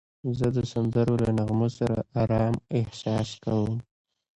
زه د سندرو له نغمو سره آرام احساس کوم.